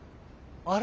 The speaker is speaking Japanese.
あれ？